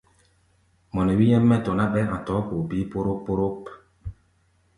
Mɔ nɛ wí nyɛ́m mɛ́ tɔ̧ ná, ɓɛɛ́ a̧ tɔ̧ɔ̧́ poo bíí póróp-póróp.